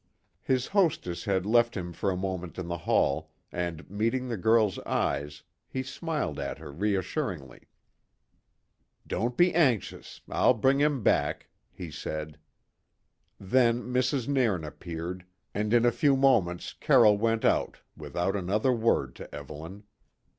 His hostess had left him for a moment in the hall, and meeting the girl's eyes, he smiled at her reassuringly. "Don't be anxious; I'll bring him back," he said. Then Mrs. Nairn appeared, and in a few moments Carroll went out without another word to Evelyn.